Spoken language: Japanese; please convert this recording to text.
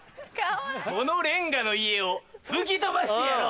このれんがの家を吹き飛ばしてやろう！